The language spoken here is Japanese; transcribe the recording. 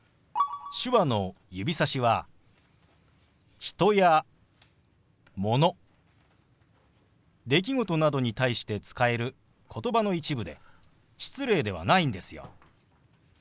手話の指さしは人やもの出来事などに対して使える言葉の一部で失礼ではないんですよ。